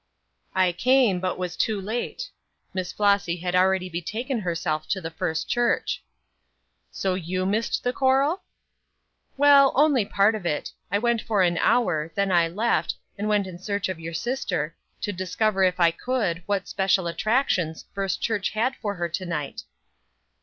"I came, but was too late. Miss Flossy had already betaken herself to the First Church." "So you missed the choral?" "Well, only part of it. I went for an hour; then I left, and went in search of your sister, to discover if I could what special attractions First Church had for her to night."